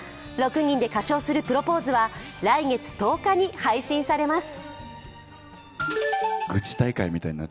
６人で歌唱する「プロポーズ」は来月１０日に配信されます。